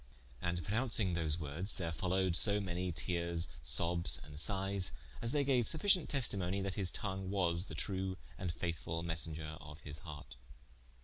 And pronouncing those words, there followed so many teares, sobbes and sighes, as they gaue sufficient testimony, that his tongue was the true and faithfull messenger of his hart.